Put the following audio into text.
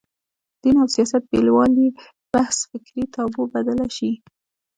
دین او سیاست بېلوالي بحث فکري تابو بدله شي